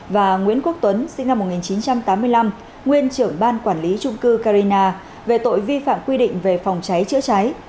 và nguyễn quốc tuấn sinh năm một nghìn chín trăm tám mươi năm nguyên trưởng ban quản lý trung cư carina về tội vi phạm quy định về phòng cháy chữa cháy